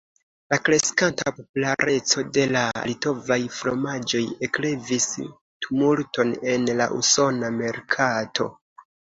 La kreskanta populareco de la litovaj fromaĝoj eklevis tumulton en la usona merkato.